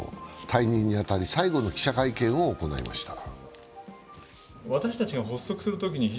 退任に当たり、最後の記者会見を行いました。